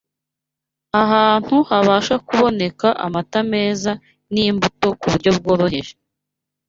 Ahantu habasha kuboneka amata meza n’imbuto ku buryo bworoheje